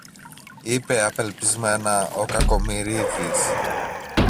είπε απελπισμένα ο Κακομοιρίδης.